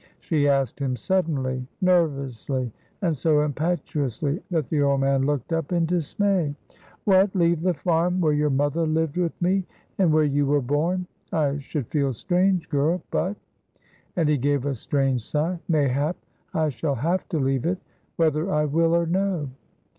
She asked him suddenly, nervously, and so impetuously that the old man looked up in dismay. "What! leave the farm where your mother lived with me, and where you were born. I should feel strange, girl; but" and he gave a strange sigh "mayhap I shall have to leave it whether I will or no."